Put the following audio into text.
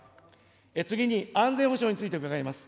次に、安全保障について伺います。